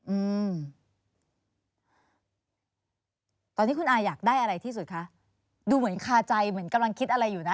อืมตอนนี้คุณอาอยากได้อะไรที่สุดคะดูเหมือนคาใจเหมือนกำลังคิดอะไรอยู่นะ